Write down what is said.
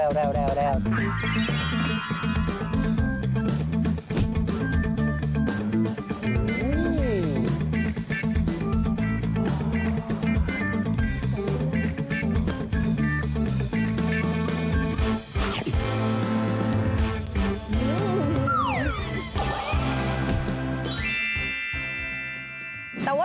อุ่นกากลับไปอีนซักครู่